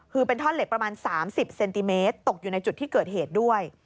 คือเป็นท่อนเหล็กประมาณ๓๐เซนติเมตรตกอยู่ในจุดที่เกิดเหตุด้วย